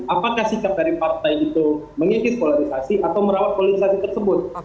apakah sikap dari partai itu mengikis polarisasi atau merawat polarisasi tersebut